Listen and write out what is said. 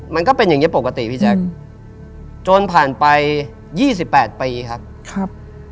มันก็เป็นอย่างเงี้ยปกติพี่แจ๊คอืมจนผ่านไปยี่สิบแปดปีครับครับ